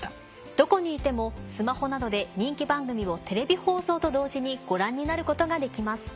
どこにいてもスマホなどで人気番組をテレビ放送と同時にご覧になることができます。